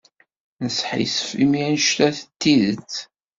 Nesḥissif imi anect-a d tidet.